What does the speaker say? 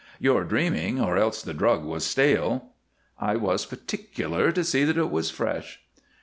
You're dreaming, or else the drug was stale." "I was particular to see that it was fresh."